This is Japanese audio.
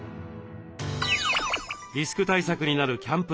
リスク対策になるキャンプ